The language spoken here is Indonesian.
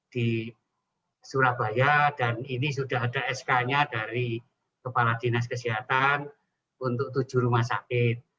di surabaya dan ini sudah ada sk nya dari kepala dinas kesehatan untuk tujuh rumah sakit